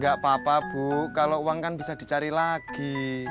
gak papa bu kalau uang kan bisa dicari lagi